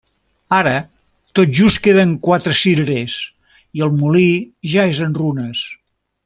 Ara, tot just queden quatre cirerers i el molí ja és en runes.